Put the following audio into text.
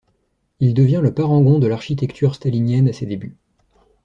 Il devient le parangon de l'architecture stalinienne à ses débuts.